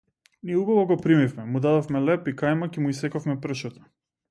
Ние убаво го примивме, му дадовме леб и кајмак и му исековме пршута.